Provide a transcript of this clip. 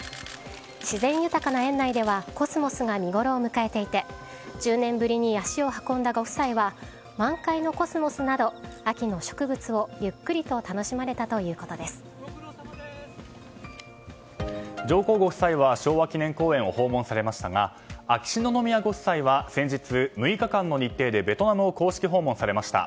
自然豊かな園内ではコスモスが見ごろを迎えていて１０年ぶりに足を運んだご夫妻は満開のコスモスなど秋の植物をゆっくりと楽しまれた上皇ご夫妻は昭和記念公園を訪問されましたが秋篠宮ご夫妻は先日、６日間の日程でベトナムを公式訪問されました。